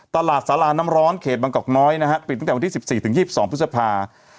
ตลาดสาราน้ำร้อนเขตบางกอกน้อยนะฮะปิดตั้งแต่วันที่สิบสี่ถึงยี่สิบสองพฤษภา